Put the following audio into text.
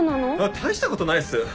大したことないっす！